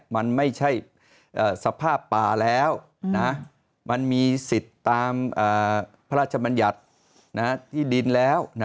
มันไม่ใช่สภาพป่าแล้วมันมีสิทธิ์ตามพระราชบัญญัติที่ดินแล้ว